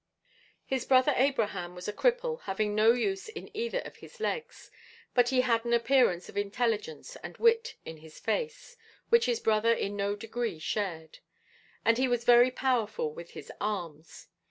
His brother Abraham was a cripple, having no use in either of his legs; but he had an appearance of intelligence and wit in his face, which his brother in no degree shared, and he was very powerful with his arms.